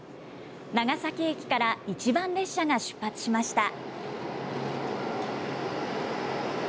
長崎駅から一番列車が出発しました。